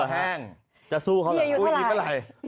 มีอายุเท่าไหร่